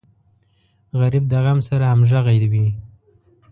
غریب د غم سره همغږی وي